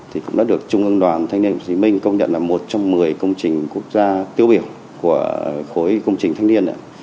thì cũng đã được trung ương đoàn thanh niên hồ chí minh công nhận là một trong một mươi công trình quốc gia tiêu biểu của khối công trình thanh niên ạ